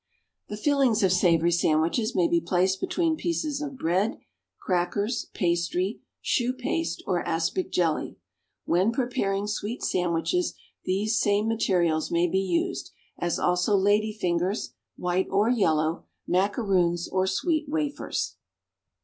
The fillings of savory sandwiches may be placed between pieces of bread, crackers, pastry, chou paste or aspic jelly. When preparing sweet sandwiches, these same materials may be used, as also lady fingers (white or yellow), macaroons or sweet wafers.